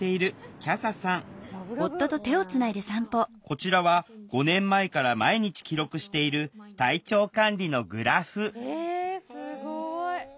こちらは５年前から毎日記録している体調管理のグラフえすごい！